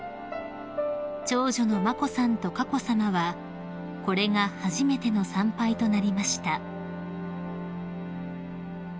［長女の眞子さんと佳子さまはこれが初めての参拝となりました］